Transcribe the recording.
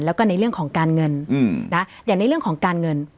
แล้วก็ในเรื่องของการเงินอย่างในเรื่องของการเงิน